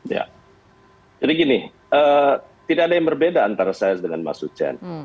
jadi gini tidak ada yang berbeda antara saya dengan mas ucen